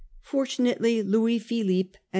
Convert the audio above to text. Fortunately Louis Philippe and M.